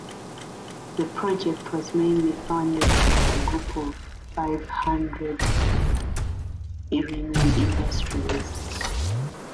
The project was mainly funded by a group of five hundred Iranian industrialists.